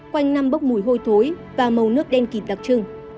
quanh năm bốc mùi hôi tối và màu nước đen kịp đặc trưng